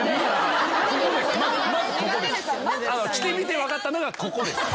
来てみて分かったのがここです。